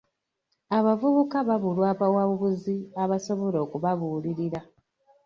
Abavubuka babulwa abawabuzi abasobola okubabuulirira.